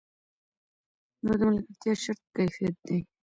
نو د ملګرتیا شرط کیفیت دی.